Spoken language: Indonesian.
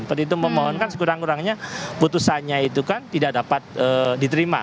petitung pemohon kan sekurang kurangnya putusannya itu kan tidak dapat diterima